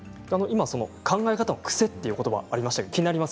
考え方の癖ということばがありました。